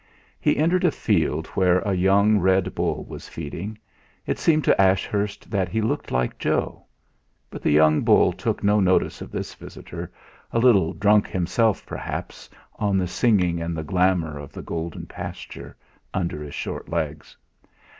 He entered a field where a young red bull was feeding. It seemed to Ashurst that he looked like Joe. But the young bull took no notice of this visitor, a little drunk himself, perhaps, on the singing and the glamour of the golden pasture, under his short legs.